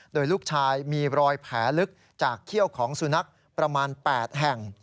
โดยลูกชายมีรอยแผลลึกจากเขี้ยวของสุนัขประมาณ๘แห่ง